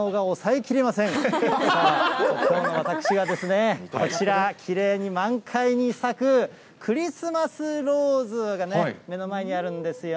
きょうも私はですね、こちら、きれいに満開に咲くクリスマスローズがね、目の前にあるんですよ。